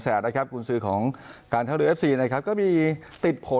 แสดนะครับกูนซืของการทลีเอฟซีนะครับก็มีติดโผล่